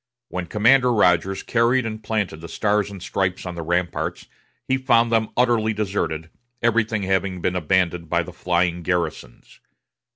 When Commander Rodgers carried and planted the Stars and Stripes on the ramparts, he found them utterly deserted, everything having been abandoned by the flying garrisons.